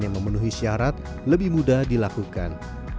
yang memenuhi syarat lebih mudah dilakukan